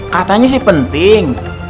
katanya sih penting